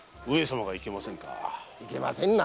いけませんな。